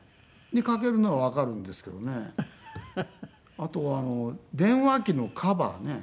あと電話機のカバーね。